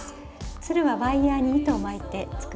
つるはワイヤーに糸を巻いて作っています。